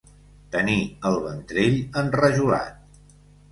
Tenir el ventrell enrajolat.